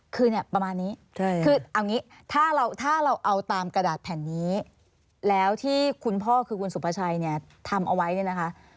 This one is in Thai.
คือเนี่ยประมาณนี้คือเอางี้ถ้าเราถ้าเราเอาตามกระดาษแผ่นนี้แล้วที่คุณพ่อคือคุณสุภาชัยเนี่ยทำเอาไว้เนี่ยนะคะ